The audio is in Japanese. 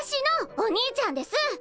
お兄ちゃんです！